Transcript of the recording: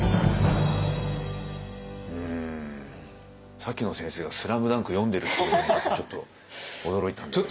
さっきの先生が「ＳＬＡＭＤＵＮＫ」読んでるっていうのもちょっと驚いたんですけど。